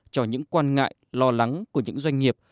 cho những quan ngại lo lắng của những doanh nghiệp